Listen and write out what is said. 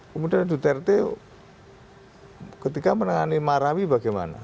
kemudian duterte ketika menangani marawi bagaimana